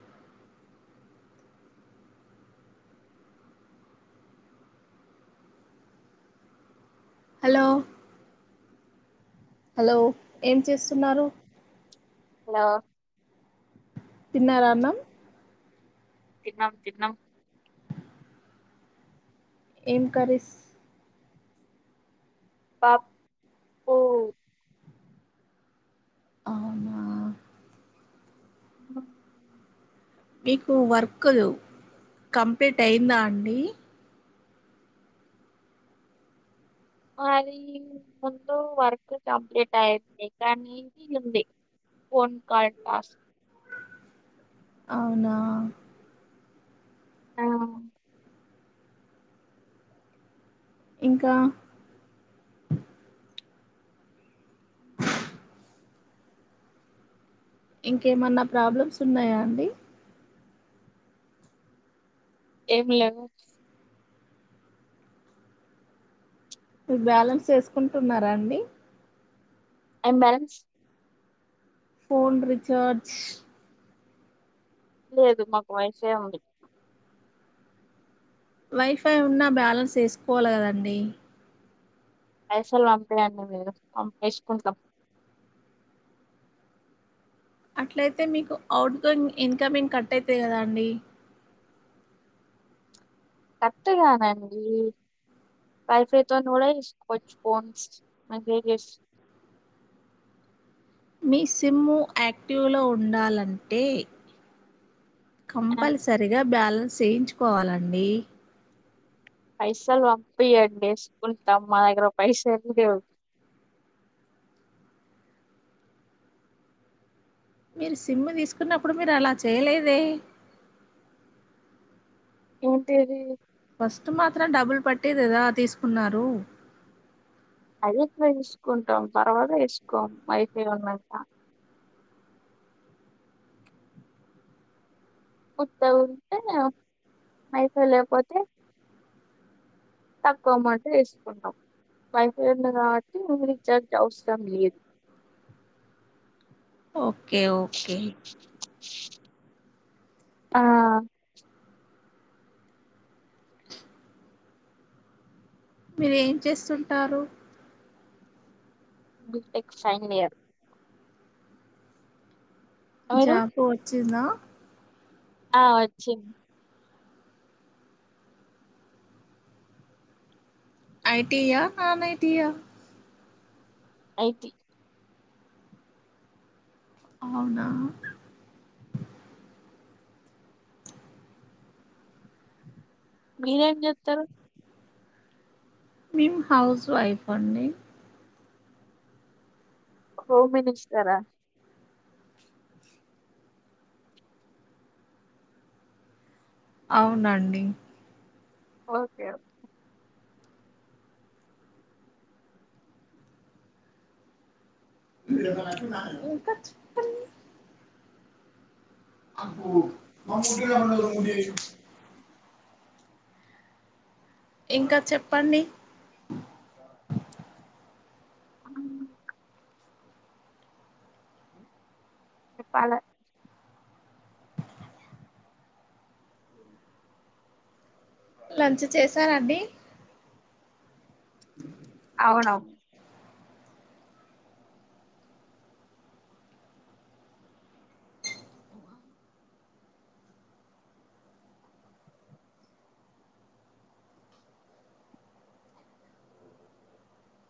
hello hello ఏం చేస్తున్నారు hello తిన్నారన్నాం చినం చిహనం ఏం కరీస్ పా పోఓ అవునా ఆ మీకు వర్క్లు కంప్లీట్ అయిందా అండి అది ముందు వర్క్ కంప్లీట్ అయింది కానీ ఇది ఉంది ఫోన్ కాల్ టాస్క్ అవునా ఆ ఇంకా ఇంకేమన్నా ప్రాబ్లమ్స్ ఉన్నాయా అండి ఎం లెవ్వు బ్యాలెన్స్ వేసుకుం టున్నారా అండి ఏం బాలెన్స్ ఫోన్ రీచార్జ్ లేదు మాకు వైఫై ఉంది వైఫై ఉన్నా బ్యాలన్స్ ఏసుకోవాలి కదండి పైసలు పంపయండి మీరు మేం ఏసుకుంటాం అట్లయితే మీకు అఔట్ గోయింగ్ ఇన్కమింగ్ కట్ అయితై కదా అండి కట్గానండి వైఫై తోన కూడా చేసుకోవచ్చు ఫోన్స్ మెసేజెస్ మీ సిమ్ము యాక్టివ్ లో ఉండాలంటే ఆ, కంపల్సరిగా బ్యాల్ చేయించుకోవాలండి పైసల్ పంపియండి ఎస్కుంటాం మా దగ్గర పైసల్ లేవు మీరు సిమ్ తీసుకున్నప్పుడు మీరు అలా చేయలేదే ఏంటరు ఫస్ట్ మాత్రం డబ్బులు పట్దిది కదా తీసుకున్నారు అదిట్లా తీసుకుంటాం తర్వాత ఏసుకోం అయితే ఉన్నంత ఉంటే ఉంటై లేక్ పైసల్ లేకపోతే తక్కువ అమౌంట్ వేసుకుంటాం వైఫైంది కాబట్టి రీచార్జ్ అవసరం లేదు ఓకే ఓకే ఆ మీరు ఏం చేస్తుంటారు టెక్ ఫైనలియర్ మీరు జాపో వచ్చింద ఆ వచ్చిన్ ఐ టీ యా ఆన్ ఐ టీ యా ఐ టి అవునా మీరేం చెత్తారు మేము హౌస్ వైఫ్ అండి హోమ్ మినిస్టర అవునండి ఓకే ఓకే ఓకే చ అకుంది ఇంకా చెప్పండి అ చెప్పాల లంచ్ చేశారంండి అవునవు